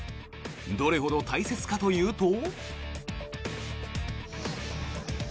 どれほど大切かというと。